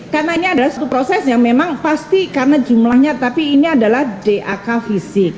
karena ini adalah suatu proses yang memang pasti karena jumlahnya tapi ini adalah dak fisik